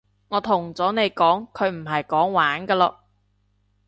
我同咗你講佢唔係講玩㗎囉